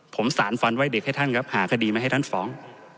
ผมสารฟันไว้เด็กให้ท่านครับหาคดีมาให้ท่านฟ้อง